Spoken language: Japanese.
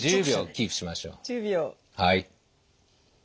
１０秒キープしましょう。